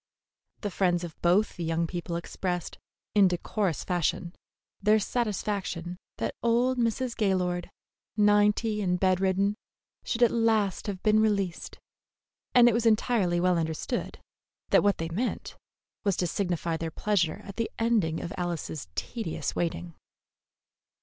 The friends of both the young people expressed, in decorous fashion, their satisfaction that old Mrs. Gaylord, ninety and bed ridden, should at last have been released, and it was entirely well understood that what they meant was to signify their pleasure at the ending of Alice's tedious waiting.